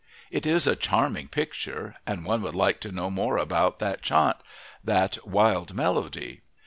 It is a charming picture, and one would like to know more about that "chaunt," that "wild melody."